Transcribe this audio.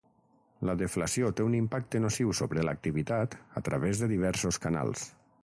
La deflació té un impacte nociu sobre l'activitat a través de diversos canals.